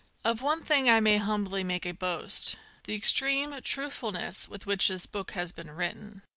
Of one thing I may humbly make a boast — the extreme truthfulness with which this book has been written.